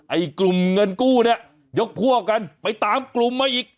ไอ้กลุ่มเงินกู้เนี่ยยกพวกกันไปตามกลุ่มมาอีก